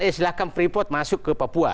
eh silahkan freeport masuk ke papua